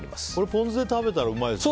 ポン酢で食べたらおいしいですね。